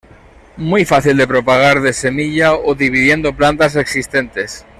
Muy fácil de propagar de semilla o dividiendo plantas existentes.